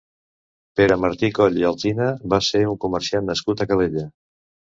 Pere Màrtir Coll i Alsina va ser un comerciant nascut a Calella.